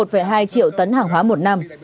một hai triệu tấn hàng hóa một năm